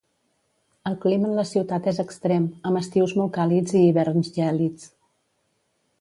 El clima en la ciutat és extrem, amb estius molt càlids i hiverns gèlids.